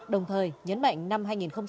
trong thời nhấn mạnh năm hai nghìn một mươi chín